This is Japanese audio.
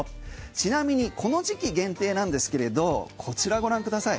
ちなみにこの時期限定なんですがこちらご覧ください。